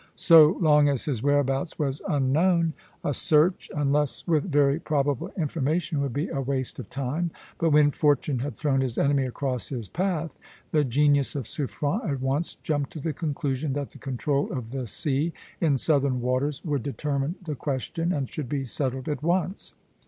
So long as his whereabouts was unknown, a search, unless with very probable information, would be a waste of time; but when fortune had thrown his enemy across his path, the genius of Suffren at once jumped to the conclusion that the control of the sea in southern waters would determine the question, and should be settled at once.